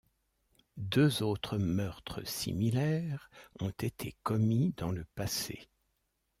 Deux autres meurtres similaires ont été commis dans le passé.